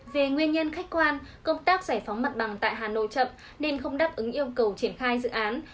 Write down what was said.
về nguyên nhân khách quan công tác giải phóng mặt bằng tại hà nội chậm nên không đáp ứng yêu cầu triển khai dự án